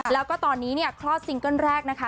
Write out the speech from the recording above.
แล้วก็ตอนนี้เนี่ยคลอดซิงเกิ้ลแรกนะคะ